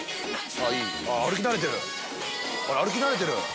歩き慣れてる。